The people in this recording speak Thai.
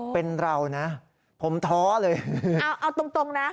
เป็นเรานะผมท้อเลยเอาเอาตรงนะ